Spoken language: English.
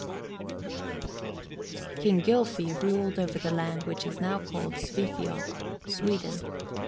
King Gylfi ruled over the land which is now called Svithiod (Sweden).